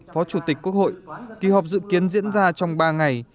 phó chủ tịch quốc hội kỳ họp dự kiến diễn ra trong ba ngày